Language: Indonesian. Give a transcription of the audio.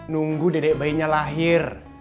nunggu dedek bayinya lahir